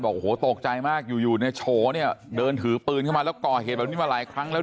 บอกโหตกใจมากอยู่ในโชว์เนี่ยเดินถือปืนมาแล้วก่อเหตุอันนี้มาหลายครั้งแล้ว